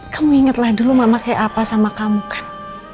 kamu ingetlah dulu mama kayak apa sama kamu kan